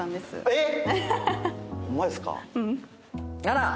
えっ！？